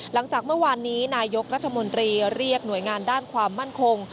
หลังจากเมื่อวานนี้นายกรัฐมนตรีเรียกหน่วยงานด้านความมั่นคง